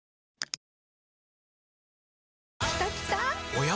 おや？